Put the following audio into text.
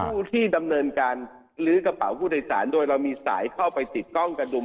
ผู้ที่ดำเนินการลื้อกระเป๋าผู้โดยสารโดยเรามีสายเข้าไปติดกล้องกระดุม